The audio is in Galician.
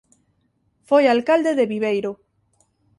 Foi alcalde de Viveiro.